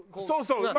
そうそう。